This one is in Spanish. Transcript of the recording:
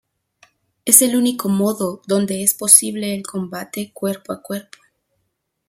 Es el único modo donde es posible el combate cuerpo a cuerpo.